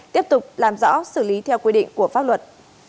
tiếp tục làm rõ xử lý theo quy định của pháp luật